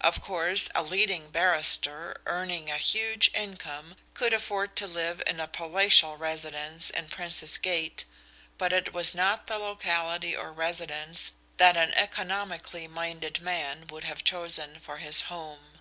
Of course, a leading barrister earning a huge income could afford to live in a palatial residence in Princes Gate, but it was not the locality or residence that an economically minded man would have chosen for his home.